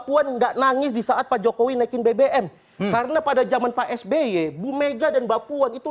puan nggak nangis disaat pak jokowi naikin bbm karena pada zaman pak sby bumega dan bapuan itu